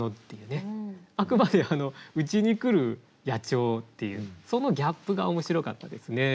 あくまでうちに来る野鳥っていうそのギャップが面白かったですね。